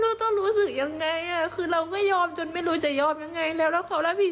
สมมุติผลตรวจมายังรอผลอยู่นี่นะเกิดออกมาว่าติดทำยังไงทีนี้